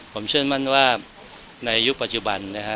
ผมเชื่อมั่นว่าในยุคปัจจุบันนะฮะ